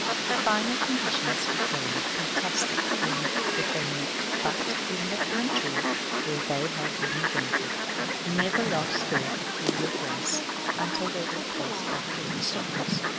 The final conditions became fantastic and effeminate, but, in the country where they had been invented, never lost their peculiar grace until they were replaced by the Renaissance.